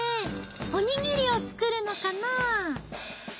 おにぎりを作るのかな？